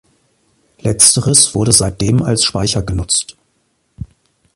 Letzteres wurde seitdem als Speicher genutzt.